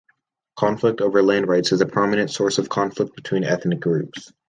Conflict over land rights is a prominent source of conflict between ethnic groups.